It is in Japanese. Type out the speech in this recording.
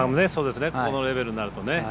このレベルになるとね。